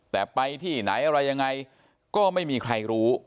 แต่ไปที่ไหนอะไรยังไงก็ไม่มีใครรู้